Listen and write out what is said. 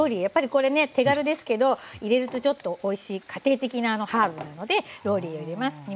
やっぱりこれね手軽ですけど入れるとちょっとおいしい家庭的なハーブなのでローリエを入れます。